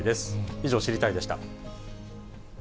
以上、知りたいッ！でした。